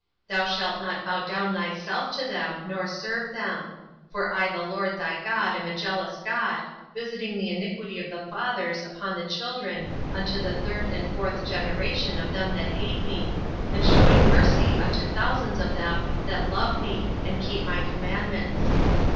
Thou shalt not bow down thyself to them, nor serve them; for I the LORD thy God am a jealous God, visiting the iniquity of the fathers upon the children unto the third and fourth generation of them that hate me, and shewing mercy unto thousands of them that love me, and keep my commandments.